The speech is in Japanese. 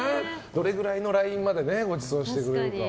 どれくらいのラインまでごちそうしてくれるか。